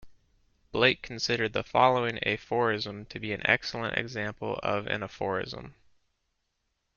Blake considered the following aphorism to be an excellent example of an aphorism.